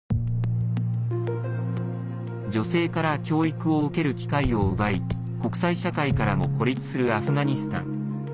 女性から教育を受ける機会を奪い国際社会からも孤立するアフガニスタン。